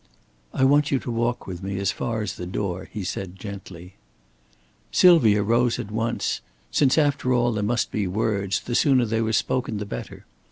"I want you to walk with me as far as the door," he said, gently. Sylvia rose at once. Since after all there must be words, the sooner they were spoken the better.